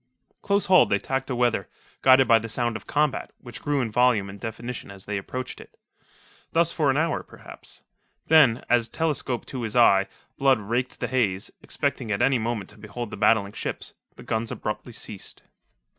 Close hauled they tacked aweather, guided by the sound of combat, which grew in volume and definition as they approached it. Thus for an hour, perhaps. Then, as, telescope to his eye, Blood raked the haze, expecting at any moment to behold the battling ships, the guns abruptly ceased.